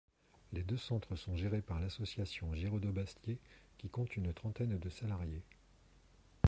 Les deux centres sont gérés par l'association Giraudeau-Bastié, qui compte une trentaine de salariés.